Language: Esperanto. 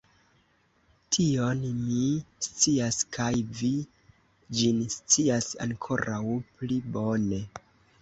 Tion mi scias, kaj vi ĝin scias ankoraŭ pli bone!